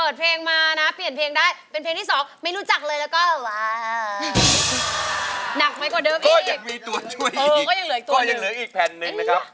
อีซูซูดีแม็กซ์แผ่นที่สองตัวช่วยของแนนคือ